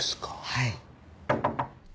はい。